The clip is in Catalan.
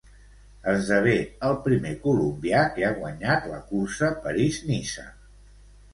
Esdevé el primer colombià que ha guanyat la cursa París-Niça.